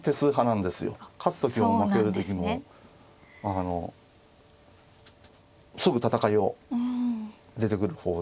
勝つ時も負ける時もすぐ戦いを出てくる方で。